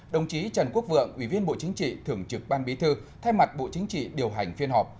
đồng chí trần quốc vượng ủy viên bộ chính trị thường trực ban bí thư thay mặt bộ chính trị điều hành phiên họp